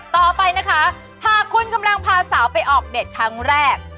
ต่อไปนะคะหากคุณกำลังพาสาวไปออกเด็ดครั้งแรก